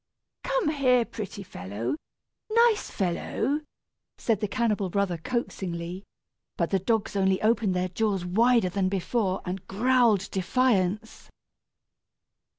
"Come here, pretty fellow, nice fellow," said the cannibal brother, coaxingly; but the dogs only opened their jaws wider than before and growled defiance.